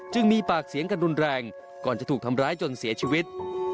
มีปากเสียงกันรุนแรงก่อนจะถูกทำร้ายจนเสียชีวิต